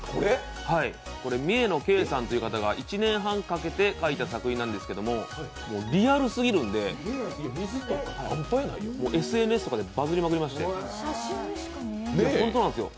三重野慶さんという方が１年半かけて描いた作品なんですけれども、リアルすぎるんで、ＳＮＳとかでバズりまくりまして。